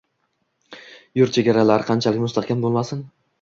Yurt chegaralari qanchalik mustahkam bo‘lmasin